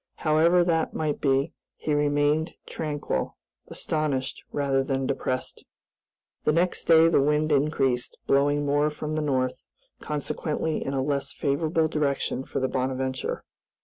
However that might be, he remained tranquil, astonished rather than depressed. The next day the wind increased, blowing more from the north, consequently in a less favorable direction for the "Bonadventure."